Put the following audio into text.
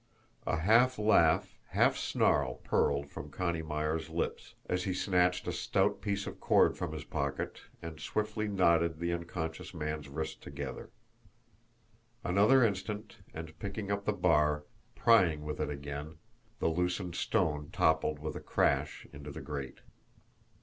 A half laugh, half snarl purled from Connie Myers' lips, as he snatched a stout piece of cord from his pocket and swiftly knotted the unconscious man's wrists together. Another instant, and, picking up the bar, prying with it again, the loosened stone toppled with a crash into the grate.